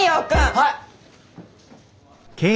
はい！